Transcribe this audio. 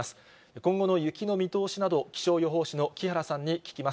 今後の雪の見通しなど、気象予報士の木原さんに聞きます。